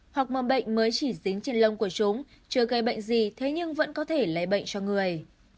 hoặc mầm bệnh mới chỉ dính trên lông của chúng chưa gây bệnh gì thế nhưng vẫn có thể lây bệnh cho người